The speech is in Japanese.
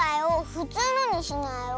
ふつうのにしなよ。